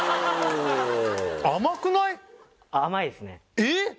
甘いですねえっ？